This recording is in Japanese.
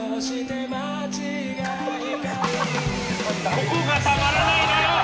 ここがたまらないの！